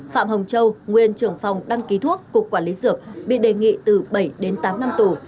phạm hồng châu nguyên trưởng phòng đăng ký thuốc cục quản lý dược bị đề nghị từ bảy đến tám năm tù